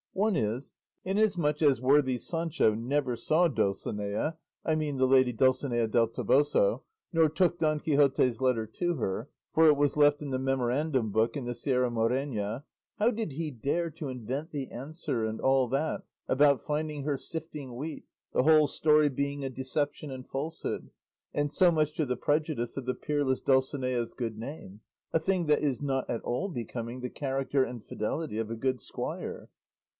One is: inasmuch as worthy Sancho never saw Dulcinea, I mean the lady Dulcinea del Toboso, nor took Don Quixote's letter to her, for it was left in the memorandum book in the Sierra Morena, how did he dare to invent the answer and all that about finding her sifting wheat, the whole story being a deception and falsehood, and so much to the prejudice of the peerless Dulcinea's good name, a thing that is not at all becoming the character and fidelity of a good squire?"